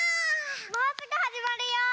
もうすぐはじまるよ。